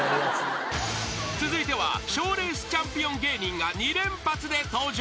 ［続いては賞レースチャンピオン芸人が２連発で登場］